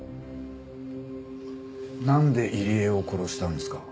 なんで入江を殺したんですか？